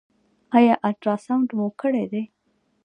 ایا الټراساونډ مو کړی دی؟